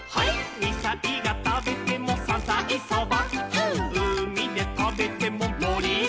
「２さいがたべてもさんさいそば」「」「うみでたべてももりそば」